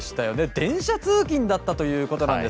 電車通勤だったということです。